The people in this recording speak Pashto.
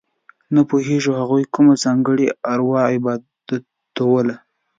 نه پوهېږو هغوی کومه ځانګړې اروا عبادتوله.